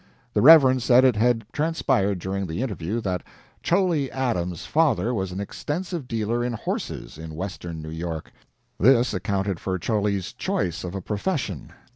The Reverend said it had transpired during the interview that "Cholley" Adams's father was an extensive dealer in horses in western New York; this accounted for Cholley's choice of a profession.